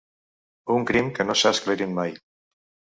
Un crim que no s’ha esclarit mai.